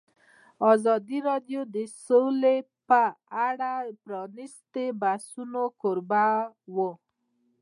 ازادي راډیو د سوله په اړه د پرانیستو بحثونو کوربه وه.